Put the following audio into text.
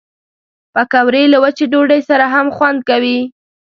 پکورې له وچې ډوډۍ سره هم خوند کوي